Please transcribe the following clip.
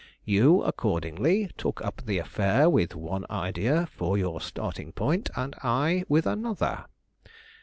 You accordingly took up the affair with one idea for your starting point, and I with another.